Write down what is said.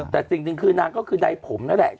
แต่จริงคือนางก็คือใดผมนั่นแหละ